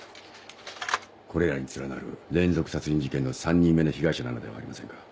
これらに連なる連続殺人事件の３人目の被害者なのではありませんか？